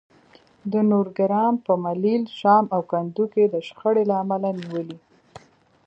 د نورګرام په ملیل، شام او کندو کې د شخړې له امله نیولي